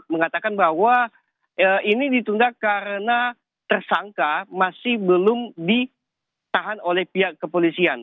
mengatakan bahwa ini ditunda karena tersangka masih belum ditahan oleh pihak kepolisian